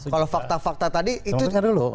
kalau fakta fakta tadi itu